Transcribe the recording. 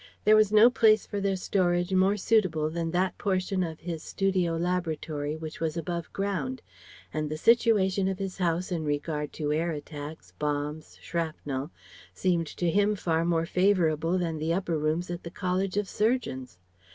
There was no place for their storage more suitable than that portion of his studio laboratory which was above ground; and the situation of his house in regard to air attacks, bombs, shrapnel seemed to him far more favourable than the upper rooms at the College of Surgeons.